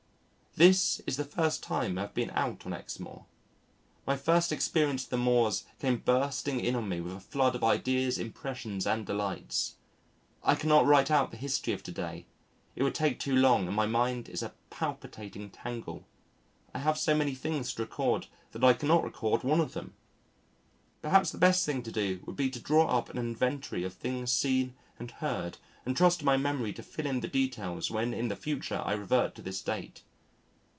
This is the first time I have been on Exmoor. My first experience of the Moors came bursting in on me with a flood of ideas, impressions, and delights. I cannot write out the history of to day. It would take too long and my mind is a palpitating tangle. I have so many things to record that I cannot record one of them. Perhaps the best thing to do would be to draw up an inventory of things seen and heard and trust to my memory to fill in the details when in the future I revert to this date.